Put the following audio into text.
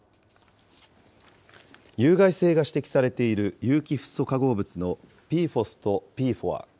有害性が指摘されている、有機フッ素化合物のＰＦＯＳとＰＦＯＡ。